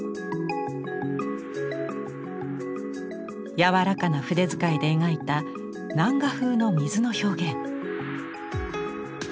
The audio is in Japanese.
やわらかな筆遣いで描いた南画風の水の表現。